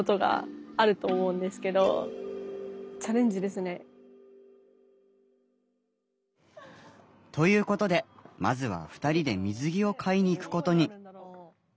それには理由が。ということでまずは２人で水着を買いに行くことに。